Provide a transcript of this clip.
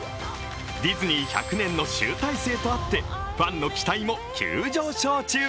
ディズニー１００年の集大成とあってファンの期待も急上昇中。